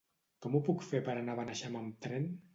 Com ho puc fer per anar a Beneixama amb tren?